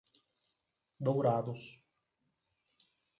Dourados